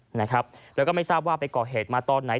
พร้อมกับหยิบมือถือขึ้นไปแอบถ่ายเลย